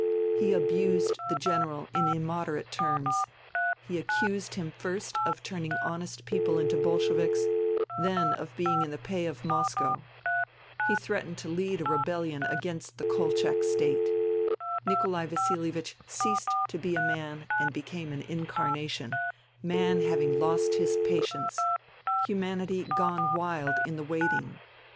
He abused the General in immoderate terms. He accused him first of turning honest people into Bolsheviks ; then of being in the pay of Moscow. He threatened to lead a rebellion against the Kolchak State. Nikolai Vasilievich ceased to be a man and became an incarnation : Man having lost his patience : Humanity gone wild in the wait ing.